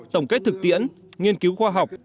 tổng kết thực tiễn nghiên cứu khoa học